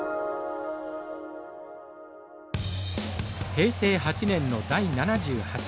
平成８年の第７８回大会。